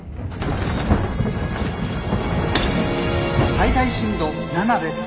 「最大震度７です。